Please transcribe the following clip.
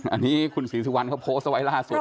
อันนี้คุณศรีสุวรรณเขาโพสต์เอาไว้ล่าสุด